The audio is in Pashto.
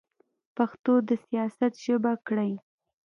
پښتو د سیاست ژبه کړئ.